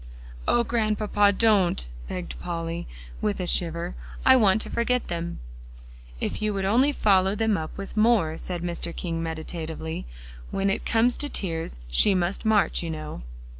"Oh, Grandpapa, don't!" begged Polly, with a shiver; "I want to forget them." "If you would only follow them up with more," said Mr. King meditatively; "when it comes to tears, she must march, you know."